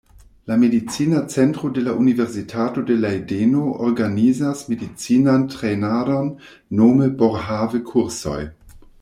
La Medicina Centro de la Universitato de Lejdeno organizas medicinan trejnadon nome "Boerhaave-kursoj".